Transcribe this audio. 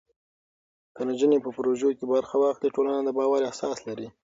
که نجونې په پروژو کې برخه واخلي، ټولنه د باور احساس لري.